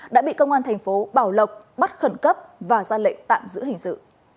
đã bị công an thành phố bảo lộc bắt khẩn cấp và ra lệnh tạm giữ hình sự